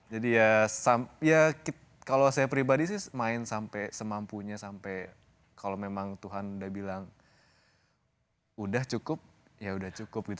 jadi ya kalau saya pribadi sih main sampai semampunya sampai kalau memang tuhan udah bilang udah cukup ya udah cukup gitu